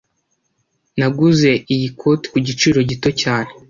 Naguze iyi koti ku giciro gito cyane